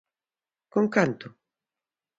¿Con canto?